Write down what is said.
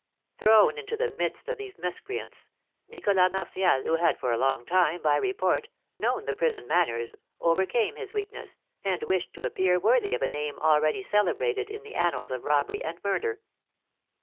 Thrown into the midst of these miscreants, Nicholas Martial, who had for a long time, by report, known the prison manners, overcame his weakness, and wished to appear worthy of a name already celebrated in the annals of robbery and murder.